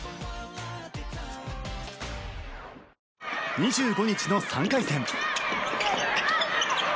２５日の３回戦。